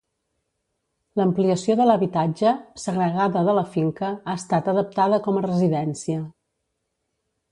L'ampliació de l'habitatge, segregada de la finca, ha estat adaptada com a residència.